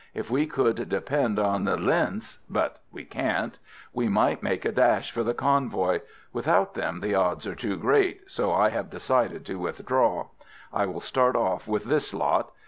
If we could depend on the linhs but we can't we might make a dash for the convoy; without them the odds are too great, so I have decided to withdraw. I will start off with this lot.